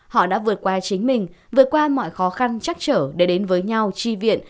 họ đã vượt qua chính mình vượt qua mọi khó khăn chắc trở để đến với nhau chi viện